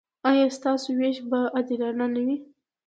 ایا ستاسو ویش به عادلانه نه وي؟